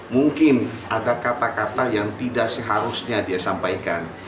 mungkin ada kata kata yang tidak seharusnya dia sampaikan